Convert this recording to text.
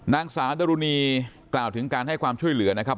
นางสาวดรุณีกล่าวถึงการให้ความช่วยเหลือนะครับ